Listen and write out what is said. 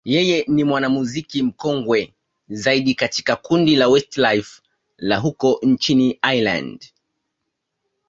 yeye ni mwanamuziki mkongwe zaidi katika kundi la Westlife la huko nchini Ireland.